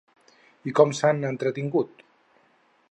I com s'han entretingut?